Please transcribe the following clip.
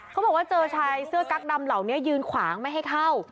เขาบอกว่าเจอชายเสื้อกั๊กดำเหล่านี้ยืนขวางไม่ให้เข้า